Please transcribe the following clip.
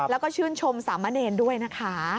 แล้วก็ชื่นชมสามะเนรด้วยนะคะ